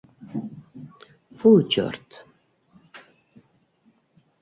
- Фу, черт!